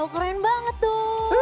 wow keren banget tuh